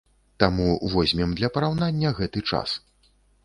Таму возьмем для параўнання гэты час.